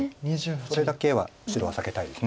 それだけは白は避けたいです。